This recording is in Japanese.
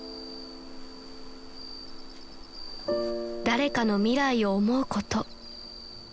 ［誰かの未来を思うこと］